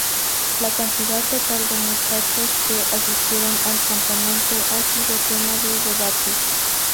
La cantidad total de muchachos que asistieron al campamento ha sido tema de debate.